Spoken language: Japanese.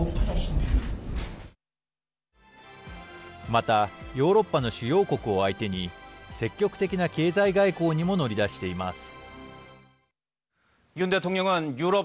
またヨーロッパの主要国を相手に積極的な経済外交にも乗り出しています。